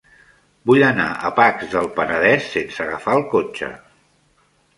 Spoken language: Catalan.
Vull anar a Pacs del Penedès sense agafar el cotxe.